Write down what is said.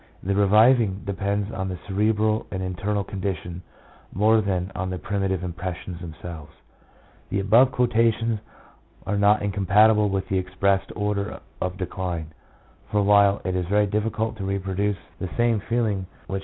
The reviving depends on the cerebral and internal conditions more than on the primitive impressions themselves." 4 The above quotations are not in compatible with the expressed order of decline, for while it is very difficult to reproduce the same feeling 1 T.